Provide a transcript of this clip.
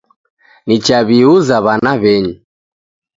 Nichaw'iuza w'ana w'enyu